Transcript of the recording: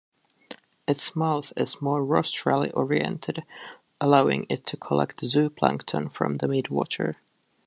Its mouth is more rostrally-oriented, allowing it to collect zooplankton from the mid-water.